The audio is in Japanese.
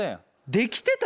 できてた？